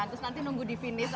terus nanti nunggu di finish